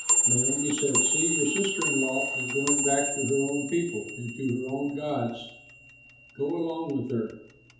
Naomi said, "See, your sister in law is going back to her own people and to her own gods; go along with her!"